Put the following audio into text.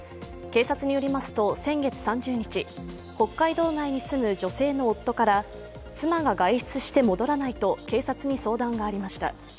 警察によりますと先月３０日北海道内に住む女性の夫から妻が外出して戻らないと警察に相談がありました。